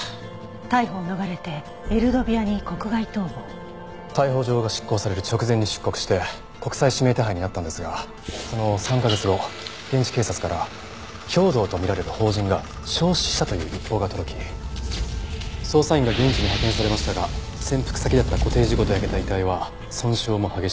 「逮捕を逃れてエルドビアに国外逃亡」逮捕状が執行される直前に出国して国際指名手配になったんですがその３カ月後現地警察から兵働と見られる邦人が焼死したという一報が届き捜査員が現地に派遣されましたが潜伏先だったコテージごと焼けた遺体は損傷も激しく。